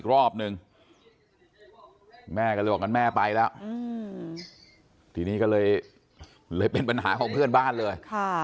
รอบนึงแม่ก็เลยบอกงั้นแม่ไปแล้วทีนี้ก็เลยเลยเป็นปัญหาของเพื่อนบ้านเลย